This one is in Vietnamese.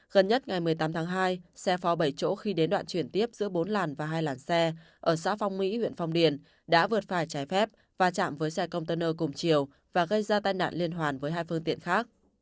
gần nhất ngày một mươi tám tháng hai xe phò bảy chỗ khi đến đoạn chuyển tiếp giữa bốn làn và hai làn xe ở xã phong mỹ huyện phong điền đã vượt phải trái phép và chạm với xe container cùng chiều và gây ra tai nạn liên hoàn với hai phương tiện khác